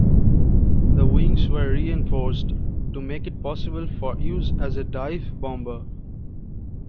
The wings were reinforced to make it possible for use as a dive bomber.